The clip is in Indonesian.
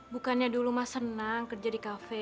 bukannya dulu mah senang kerja di kafe